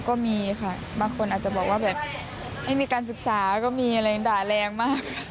ก็มีค่ะบางคนอาจจะบอกว่าแบบไม่มีการศึกษาก็มีอะไรด่าแรงมาก